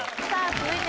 続いて。